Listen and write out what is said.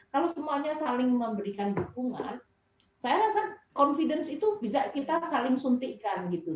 kalau semuanya saling memberikan dukungan saya rasa confidence itu bisa kita saling suntikan gitu